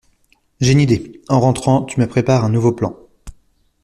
J’ai une idée. En rentrant, tu me prépares un nouveau plan.